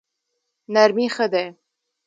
نرمي ښه دی.